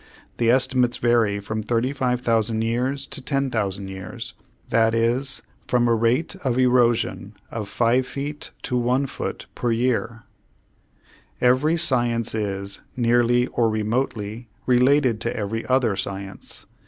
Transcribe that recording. The estimates vary from 35,000 years to 10,000 years that is, from a rate of erosion of five feet to one foot, per year. Every science is, nearly or remotely, related to every other science.